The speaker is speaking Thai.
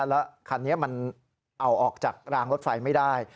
แล้วคันนี้มันเอาออกจากรางรถไฟไม่ได้